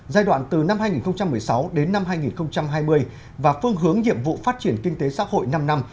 giai đoạn từ năm hai nghìn một mươi sáu đến năm hai nghìn hai mươi và phương hướng nhiệm vụ phát triển kinh tế xã hội năm năm